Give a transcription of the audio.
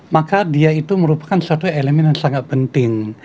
maka dia itu merupakan suatu elemen yang sangat penting